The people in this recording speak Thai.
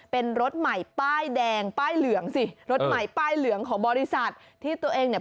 เป็นรถใหม่ป้ายแดงป้ายเหลืองสิรถใหม่ป้ายเหลืองของบริษัทที่ตัวเองเนี่ย